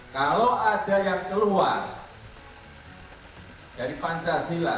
kalau ada yang keluar dari pancasila